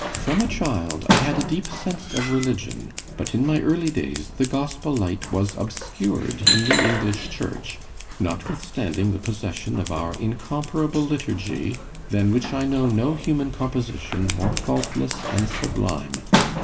From a child I had a deep sense of religion, but in my early days the Gospel light was obscured in the English Church, notwithstanding the possession of our incomparable Liturgy, than which I know no human composition more faultless and sublime.